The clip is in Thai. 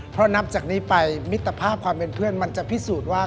เพราะนับจากนี้ไปมิตรภาพความเป็นเพื่อนมันจะพิสูจน์ว่า